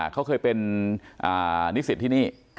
เขาเคยเป็นนิสิตที่นี่